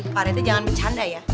pak reda jangan bercanda ya